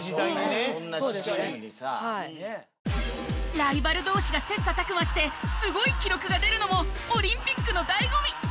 ライバル同士が切磋琢磨してすごい記録が出るのもオリンピックの醍醐味！